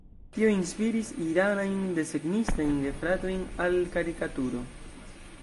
Tio inspiris iranajn desegnistajn gefratojn al karikaturo.